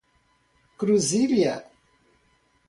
Cruzília